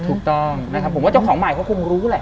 ถูกต้องนะครับผมว่าเจ้าของใหม่เขาคงรู้แหละ